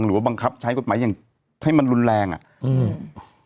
บังคับใช้กฎหมายอย่างให้มันรุนแรงอ่ะอืม